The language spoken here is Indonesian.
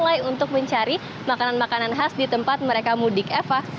mulai untuk mencari makanan makanan khas di tempat mereka mudik eva